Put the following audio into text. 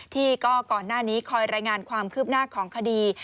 ที่ก็ก่อนหน้านี้คอยรายงานความคืบหน้าของคดี